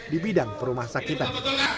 di bidang perumah sakitan